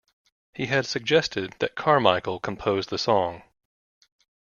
He had suggested that Carmichael compose the song.